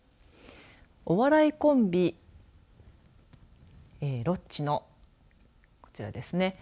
お笑いコンビロッチのこちらですね